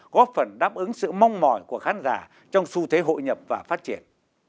góp phần đáp ứng sự mong mỏi của khán giả trong xu thế hội nhập và phát triển